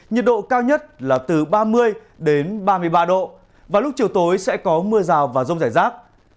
nhiệt độ cao nhất là từ ba mươi đến ba mươi ba độ và lúc chiều tối sẽ có mưa rào và rông rải rác